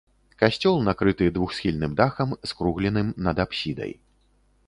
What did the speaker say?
Касцёл накрыты двухсхільным дахам, скругленым над апсідай.